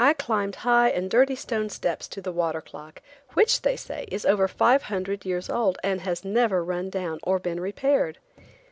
I climbed high and dirty stone steps to the water clock, which, they say, is over five hundred years old, and has never run down or been repaired.